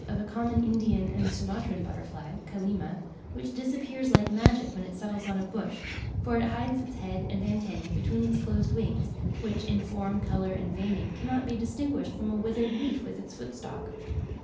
of a common Indian and Sumatran butterfly (Kallima) which disappears like magic when it settles on a bush; for it hides its head and antennae between its closed wings, which, in form, colour and veining, cannot be distinguished from a withered leaf with its footstalk.